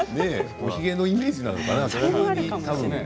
おひげのイメージですかね。